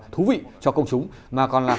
thú vị cho công chúng mà còn là